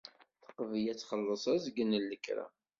Teqbel ad txelleṣ azgen n lekra.